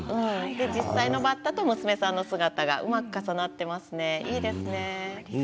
実際のバッタと娘さんの姿がうまく重なっていいですね。